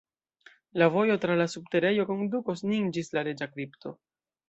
La vojo tra la subterejo kondukos nin ĝis la reĝa kripto.